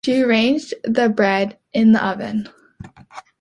She arranged the bread in the oven.